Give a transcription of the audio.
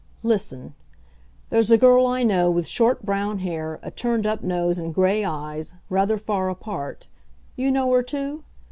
Listen. There's a girl I know with short brown hair, a turned up nose and gray eyes, rather far apart. You know her, too?